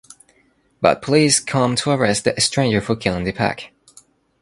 But police come to arrest the stranger for killing Dipak.